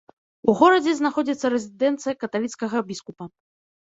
У горадзе знаходзіцца рэзідэнцыя каталіцкага біскупа.